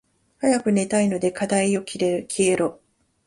早く寝たいので課題よ消えろ。